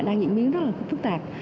đang diễn biến rất là phức tạp